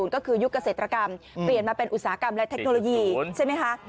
ก็คือยุคเกษตรกรรมเปลี่ยนมาเป็นอุตสาหกรรมและเทคโนโลยีใช่ไหมคะ